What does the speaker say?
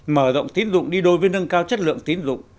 mở rộng tiến dụng đi đôi với nâng cao chất lượng tiến dụng